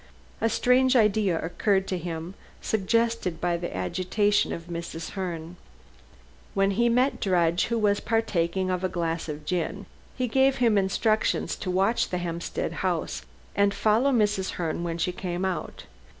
A strange idea occurred to him, suggested by the agitation of Mrs. Herne. When he met Drudge, who was partaking of a glass of gin, he gave him instructions to watch the Hampstead house and follow Mrs. Herne when she came out.